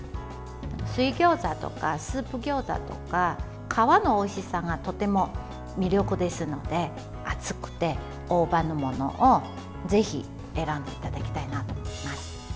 水餃子とか、スープ餃子とか皮のおいしさがとても魅力ですので厚くて大判のものをぜひ選んでいただきたいなと思いますね。